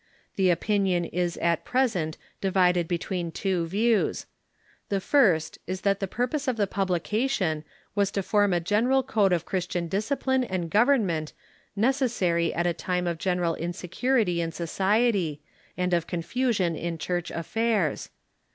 The opinion is at present divided between two THE FICTITIOUS ISIDORE 115 views : the first is that the purpose of the publication was to form a general code of Christian discipline and government necessary at a time of general insecurity in society, and of con fusion in Church affairs.